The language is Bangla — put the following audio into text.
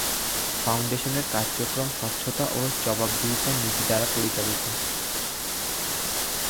ফাউন্ডেশনের কার্যক্রম স্বচ্ছতা ও জবাবদিহিতার নীতি দ্বারা পরিচালিত।